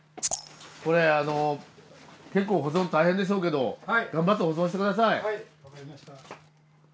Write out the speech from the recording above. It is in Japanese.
これあの結構保存大変でしょうけど頑張って保存して下さい。